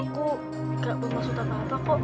aku tidak mau masuk tanpa apa kok